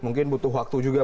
mungkin butuh waktu juga